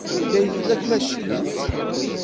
Anda ay tella tmacint?